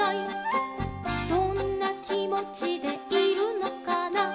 「どんなきもちでいるのかな」